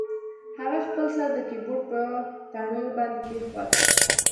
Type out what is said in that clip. هغه خپل سر د کیبورډ په تڼیو باندې کیښود